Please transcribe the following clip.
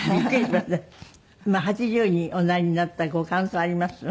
８０におなりになったご感想はあります？